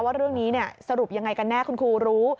ว่าเรื่องนี้สรุปยังไงกันแน่คุณครูรู้